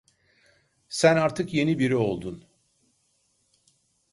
Sen artık yeni biri oldun…